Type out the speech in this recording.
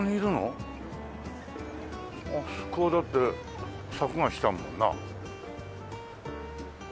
あそこはだって柵がしてあるもんな。